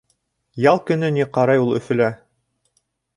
Ял көнө ни ҡарай ул Өфөлә?